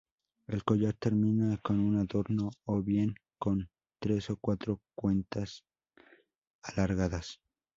El collar termina con un adorno o bien con tres o cuatro cuentas alargadas.